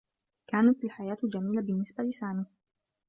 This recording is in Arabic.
كانت الحياة جميلة بالنّسبة لسامي.